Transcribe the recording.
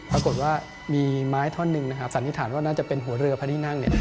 ปรากฏว่ามีไม้ท่อนหนึ่งนะครับสันนิษฐานว่าน่าจะเป็นหัวเรือพระที่นั่งเนี่ย